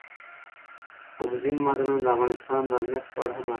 اوبزین معدنونه د افغانستان د امنیت په اړه هم اغېز لري.